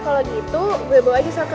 kalau gitu gue bawa aja satu